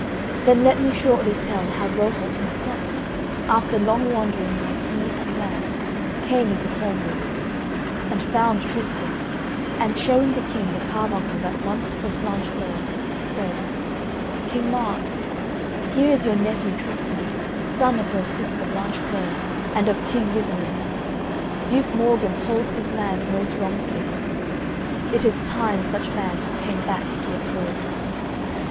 Then let me shortly tell how Rohalt himself, after long wandering by sea and land, came into Cornwall, and found Tristan, and showing the King the carbuncle that once was Blanchefleur's, said: "King Mark, here is your nephew Tristan, son of your sister Blanchefleur and of King Rivalen. Duke Morgan holds his land most wrongfully; it is time such land came back to its lord."